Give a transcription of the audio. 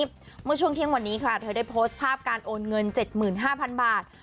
เมื่อช่วงเที่ยงวันนี้ค่ะเธอได้โพสต์ภาพการโอนเงิน๗๕๐๐๐บาท